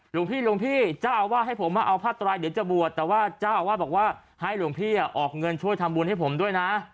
หลวงพี่หลวงพี่เจ้าอาวาสให้ผมมาเอาผ้าไตรเดี๋ยวจะบวชแต่ว่าเจ้าอาวาสบอกว่าให้หลวงพี่ออกเงินช่วยทำบุญให้ผมด้วยนะ